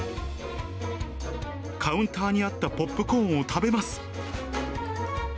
カウンターにあったポップコーンを食べます。